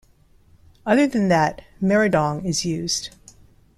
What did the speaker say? Other than that, "Meradong" is used.